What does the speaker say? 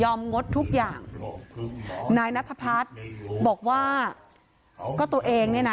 งดทุกอย่างนายนัทพัฒน์บอกว่าก็ตัวเองเนี่ยนะ